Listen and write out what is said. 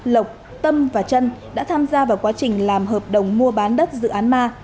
lộc tâm và trân đã tham gia vào quá trình làm hợp đồng mua bán đất dự án ma